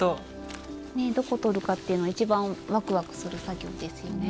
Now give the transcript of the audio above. ねえどこ取るかっていうのが一番ワクワクする作業ですよね。